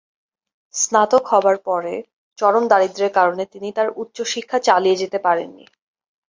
স্নাতক হবার পরে, চরম দারিদ্র্যের কারণে তিনি তার উচ্চশিক্ষা চালিয়ে যেতে পারেননি।